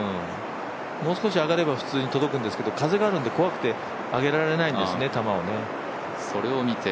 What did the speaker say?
もう少し下がれば普通に届くんですけど風があるので怖くて上げられないんですね、球をね。